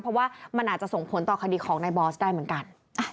เพราะว่ามันอาจจะส่งผลต่อคดีของนายบอสได้เหมือนกัน